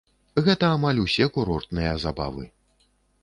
Гэта амаль усе курортныя забавы.